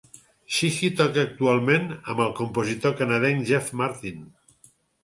Sheehy toca actualment amb el compositor canadenc Jeff Martin.